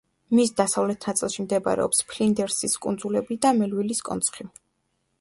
მის დასავლეთ ნაწილში მდებარეობს ფლინდერსის კუნძულები და მელვილის კონცხი.